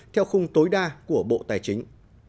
theo khung tối đa của bộ tài chính